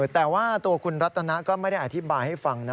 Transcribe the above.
แต่ว่าตัวคุณรัตนาก็ไม่ได้อธิบายให้ฟังนะ